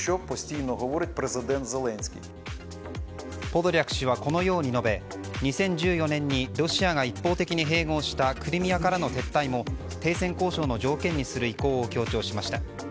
ポドリャク氏はこのように述べ２０１４年にロシアが一方的に併合したクリミアからの撤退も停戦交渉の条件にする意向を強調しました。